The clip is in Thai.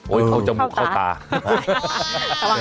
โอ๊ยเข้าจมูกเข้าตาสวัสดี